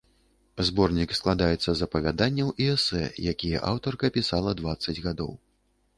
Зборнік складаецца з апавяданняў і эсэ, якія аўтарка пісала дваццаць гадоў.